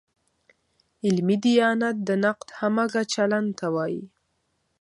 علمي دیانت د نقد همغه چلن ته وایي.